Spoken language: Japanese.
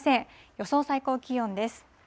予想最高気温です。